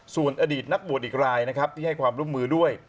ส่วนอดีตนักบวชอีกรายนะครับที่ให้ความร่วมมือด้วย